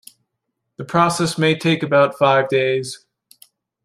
The process may take about five days.